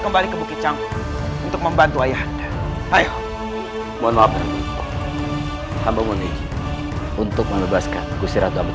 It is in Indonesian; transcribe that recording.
kembali ke bukit cang untuk membantu ayah ayo mohon maaf hamba mama untuk melepaskan kusiratu abu